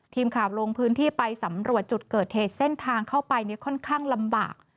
ทีมข่าวลงพื้นที่ไปสำรวจจุดเกิดเหตุเส้นทางเข้าไปค่อนข้างลำบาก